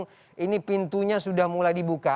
ini pintunya sudah mulai dibuka ini pintunya sudah mulai dibuka